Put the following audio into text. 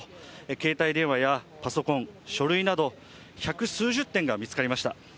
携帯電話やパソコン、書類など百数十点が見つかりました。